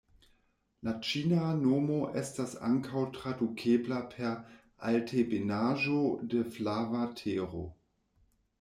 La ĉina nomo estas ankaŭ tradukebla per "Altebenaĵo de Flava Tero".